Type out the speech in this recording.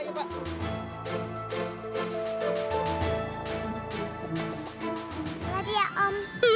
lagi ya om